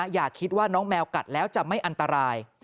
อย่าคิดว่าน้องแมวกัดแล้วจะไม่อันตราย